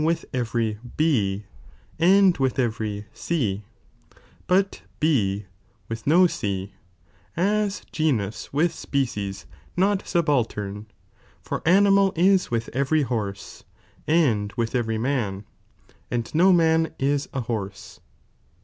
iiieoti»[ wiih every B and with every C, but B with no C, ^°'"'^' as genus with speciea not subaltern, for animal is with every horse and with every man, and no man is a horse.